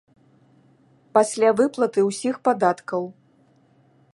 Пасля выплаты ўсіх падаткаў.